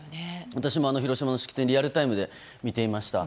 私も広島の式典リアルタイムで見ていました。